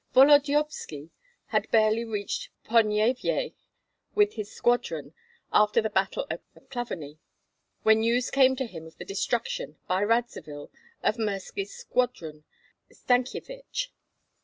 Volodyovski had barely reached Ponyevyej with his squadron, after the battle of Klavany, when news came to him of the destruction, by Radzivill, of Mirski's squadron, and that of Stankyevich.